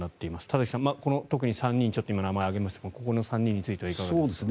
田崎さん、特にこの３人名前を挙げましたがこの３人についてはいかがですか？